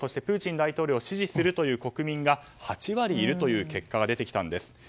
プーチン大統領を支持するという国民が、８割いるという結果が出てきたんです。